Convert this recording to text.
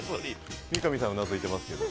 三上さんはうなずいていますけど。